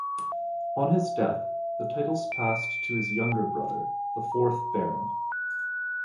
On his death the titles passed to his younger brother, the fourth Baron.